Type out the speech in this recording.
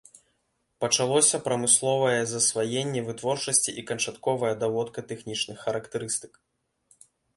Пачалося прамысловая засваенне вытворчасці і канчатковая даводка тэхнічных характарыстык.